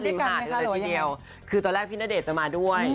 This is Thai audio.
ไปด้วยกันไหมคะหรือยังคือตอนแรกพี่ณเดชน์จะมาด้วย